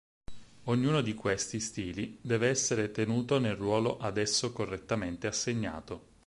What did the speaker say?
Ognuno di questi stili deve essere tenuto nel ruolo ad esso correttamente assegnato.